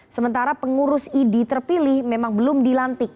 sementara pengurus idi terpilih memang belum dilantik